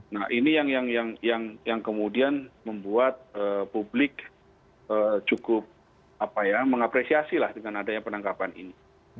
nah ini yang kemudian membuat publik cukup mengapresiasi lah dengan adanya penangkapan ini